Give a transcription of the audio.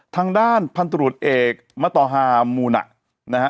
ทางด้านพันธุรกิจเอกมตอฮามูนะนะฮะ